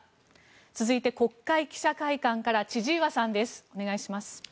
続いて国会記者会館から千々岩さんです、お願いします。